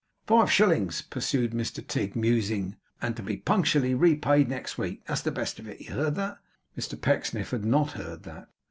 'Five shillings!' pursued Mr Tigg, musing; 'and to be punctually repaid next week; that's the best of it. You heard that?' Mr Pecksniff had not heard that.